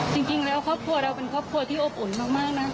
จริงแล้วครอบครัวเราเป็นครอบครัวที่อบอุ่นมากนะ